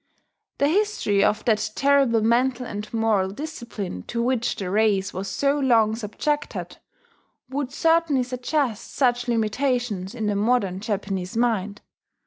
The history of that terrible mental and moral discipline to which the race was so long subjected would certainly suggest such limitations in the modern Japanese mind.